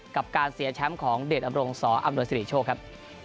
กับการเสียแชมป์ของเดชน์อัพโรงสออัพโดยศิริโชคครับ